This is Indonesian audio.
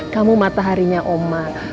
kamu mataharinya oma